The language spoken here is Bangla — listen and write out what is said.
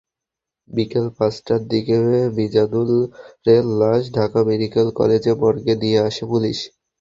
বিকেল পাঁচটার দিকে মিজানুরের লাশ ঢাকা মেডিকেল কলেজ মর্গে নিয়ে আসে পুলিশ।